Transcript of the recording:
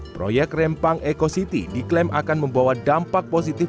proyek rempang eco city diklaim akan membawa dampak positif